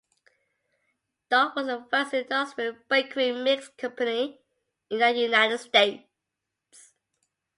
Dawn was the first industrial bakery mix company in the United States.